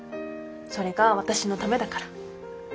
それが私のためだから。